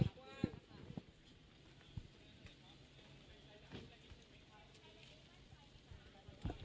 สวัสดีทุกคน